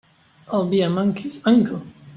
I'll be a monkey's uncle!